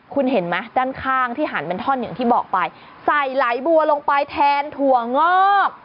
คุณเห็นไหมด้านข้างที่หันเป็นท่อนอย่างที่บอกไปใส่ไหลบัวลงไปแทนถั่วงอก